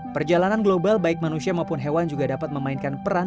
perjalanan global baik manusia maupun hewan juga dapat memainkan peran